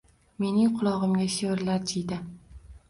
Mening qulog’imga shivirlar jiyda.